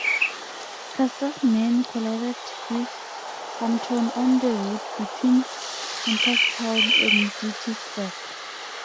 Custer's men collided with Hampton on the road between Hunterstown and Gettysburg.